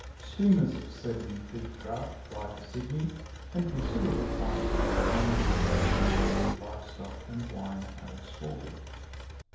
Steamers of 7 feet draft j^ly to Sydney, and con siderable quantities of maize, timber, live stock, and wine are exported.